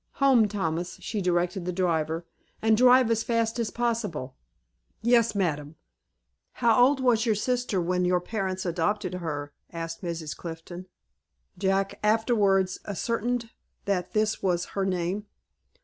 "Home, Thomas!" she directed the driver; "and drive as fast as possible." "Yes, madam." "How old was your sister when your parents adopted her?" asked Mrs. Clifton. Jack afterwards ascertained that this was her name.